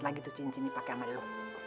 lagi tuh cincin ini pake sama lu